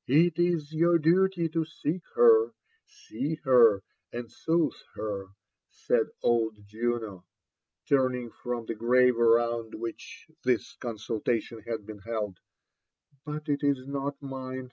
'' It is your duty to seek her, see her, and soothe her," said old Juno, turning from the grave around which this consultation had been held,«~" but it is not mine.